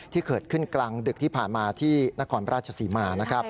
ที่เกิดขึ้นกลางดึกที่ผ่านมาที่นครราชศรีมานะครับ